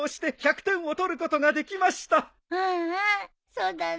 そうだね。